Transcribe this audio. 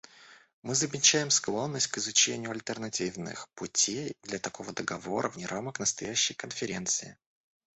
Мы замечаем склонность к изучению альтернативных путей для такого договора вне рамок настоящей Конференции.